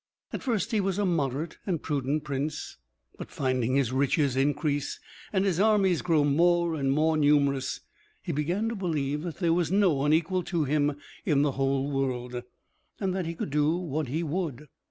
At first he was a moderate and prudent prince; but finding his riches increase, and his armies grow more and more numerous, he began to believe that there was no one equal to him in the whole world, and that he could do what he would.